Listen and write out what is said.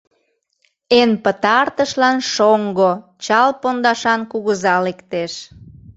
Эн пытартышлан шоҥго, чал пондашан, кугыза лектеш.